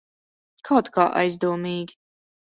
Kaut kā aizdomīgi.